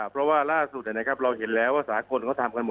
เพราะว่าร่าสุดนะครับเราเห็นแล้วว่าสหกลเขาทำกันหมดแล้ว